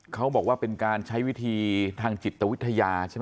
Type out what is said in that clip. เขาบอกว่าเป็นการใช้วิธีทางจิตวิทยาใช่ไหม